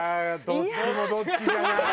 どっちもどっち。